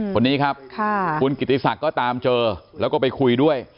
คนนี้ครับคุณกิติศักดิ์ก็ตามเจอแล้วก็ไปคุยด้วย